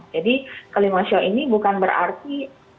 jadi kelima show ini bukan berarti